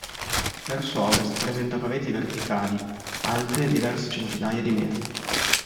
Verso ovest presenta pareti verticali alte diverse centinaia di metri.